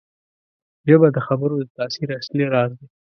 ژبه د خبرو د تاثیر اصلي راز دی